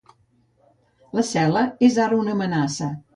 La cel·la és ara una amenaça.